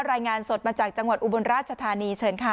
รายงานสดมาจากจังหวัดอุบลราชธานีเชิญค่ะ